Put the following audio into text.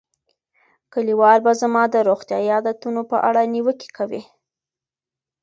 کلیوال به زما د روغتیايي عادتونو په اړه نیوکې کوي.